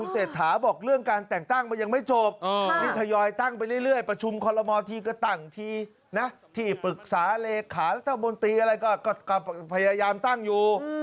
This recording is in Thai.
เศรษฐาบอกเรื่องการแต่งตั้งมันยังไม่จบนี่ทยอยตั้งไปเรื่อยประชุมคอลโมทีก็ตั้งทีนะที่ปรึกษาเลขารัฐมนตรีอะไรก็พยายามตั้งอยู่